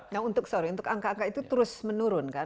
nah untuk angka angka itu terus menurun kan